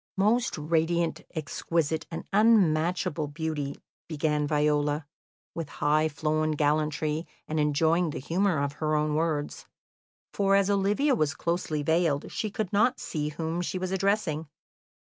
"Most radiant, exquisite, and unmatchable beauty," began Viola, with high flown gallantry, and enjoying the humour of her own words, for, as Olivia was closely veiled, she could not see whom she was addressing.